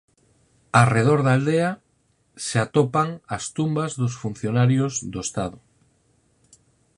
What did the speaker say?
Arredor da aldea se atopan as tumbas dos funcionarios do estado.